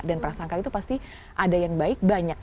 dan prasangka itu pasti ada yang baik banyak